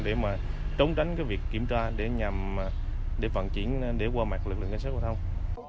để trống tránh việc kiểm tra để qua mạc lực lượng kinh sát giao thông